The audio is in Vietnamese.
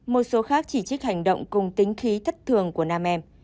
một số khác chỉ trích hành động cùng tính khí thất thường của nam em